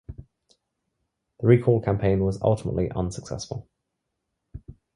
The recall campaign was ultimately unsuccessful.